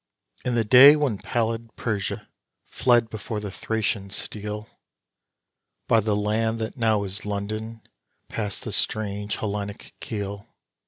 In the day when pallid Persia fled before the Thracian steel, By the land that now is London passed the strange Hellenic keel.